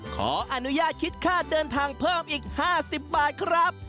ขออนุญาตคิดค่าเดินทางเพิ่มอีก๕๐บาทครับ